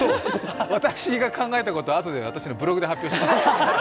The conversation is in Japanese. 私が考えたこと、あとでブログで発表します。